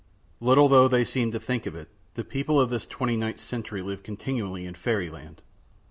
Little though they seem to think of it, the people of this twenty ninth century live continually in fairyland.